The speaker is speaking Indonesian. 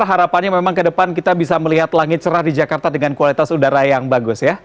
harapannya memang ke depan kita bisa melihat langit cerah di jakarta dengan kualitas udara yang bagus ya